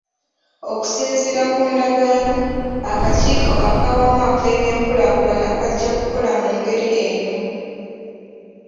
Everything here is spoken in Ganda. Okusinziira ku ndagaano, akakiiko ak'awamu ak'ebyenkulaakulana kajja kukola mu ngeri eno.